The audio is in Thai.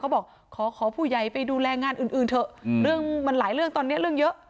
บอกขอขอผู้ใหญ่ไปดูแลงานอื่นเถอะเรื่องมันหลายเรื่องตอนนี้เรื่องเยอะ